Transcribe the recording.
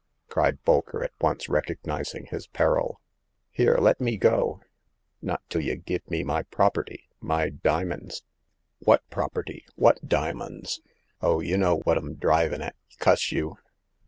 cried Bolker, at once recogniz ing his peril. Here, let me go !"Not till y* give up my property — my dimins." '* What property ? What diamonds ?''Oh, y' know what 'm drivin' at, cuss you